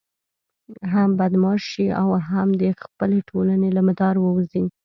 هم بدماش شي او هم د خپلې ټولنې له مدار ووزي.